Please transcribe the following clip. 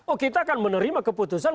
oh kita akan menerima keputusan